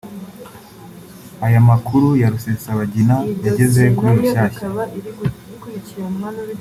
Aya makuru ya Rusesabagina yageze kuri Rushyashya